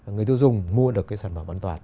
người tiêu dùng mua được cái sản phẩm an toàn